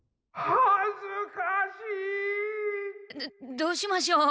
どうしましょう。